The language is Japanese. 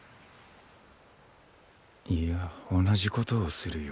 いや同じことをするよ。